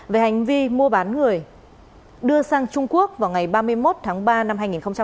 về hành vi mua bán người đưa sang trung quốc vào ngày ba mươi một tháng ba năm hai nghìn hai mươi